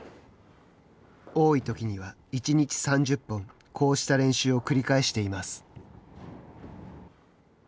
多いときには１日３０本こうした練習を繰り返しています。